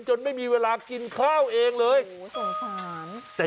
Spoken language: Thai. จนไม่มีเวลากินข้าวเองเลยโอ้โฮสนสาร